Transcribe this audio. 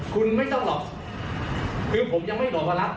คุณไม่ต้องรอฟิกคือผมยังไม่ดอกพระรัตน์